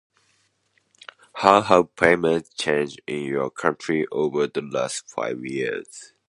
Ho how payment changed in your country over the last five years?